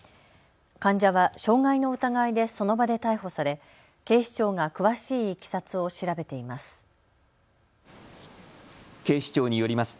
患者は傷害の疑いでその場で逮捕され警視庁が詳しいいきさつを調べています。